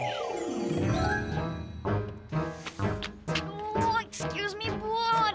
excuse me bu ada toilet nggak disini